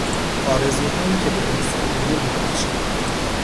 آرزوهایی که به انسان نیرو میبخشد